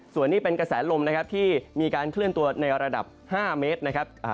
ส่วนนี้เป็นกระแสลมนะครับที่มีการเคลื่อนตัวในระดับ๕เมตรนะครับ